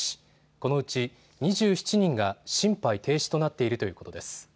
このうち２７人が心肺停止となっているということです。